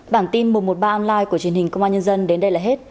bản tin một trăm một mươi ba online của truyền hình công an nhân dân đến đây là hết